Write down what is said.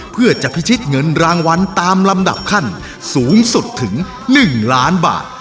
เพื่อจะพิชิตเงินรางวัลตามลำดับขั้นสูงสุดถึง๑ล้านบาท